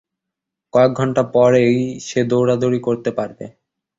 কয়েকঘন্টা পড়েই সে দৌড়াদৌড়ি করতে পারবে।